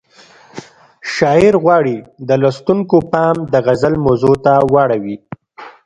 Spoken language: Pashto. شاعر غواړي د لوستونکو پام د غزل موضوع ته واړوي.